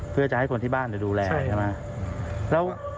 เพื่อจะให้คนที่บ้านดูแลใช่ไหม